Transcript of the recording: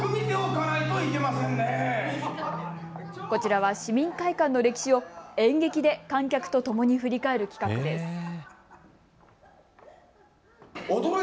こちらは市民会館の歴史を演劇で観客とともに振り返る企画です。